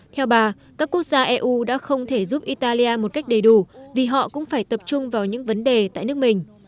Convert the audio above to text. theo bà các quốc gia eu đã không thể giúp italia một cách đầy đủ vì họ cũng phải tập trung vào những vấn đề tại nước mình